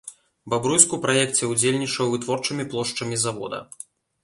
Бабруйск у праекце ўдзельнічаў вытворчымі плошчамі завода.